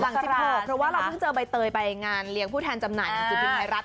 หลัง๑๖เพราะว่าเราเพิ่งเจอใบเตยไปงานเลี้ยงผู้แทนจำหน่ายของสุขีไพรัส